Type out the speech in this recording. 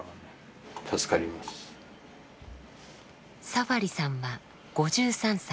サファリさんは５３歳。